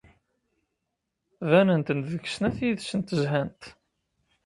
Banent-d deg snat yid-sent zhant.